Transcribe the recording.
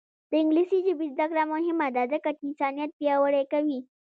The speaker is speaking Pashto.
د انګلیسي ژبې زده کړه مهمه ده ځکه چې انسانیت پیاوړی کوي.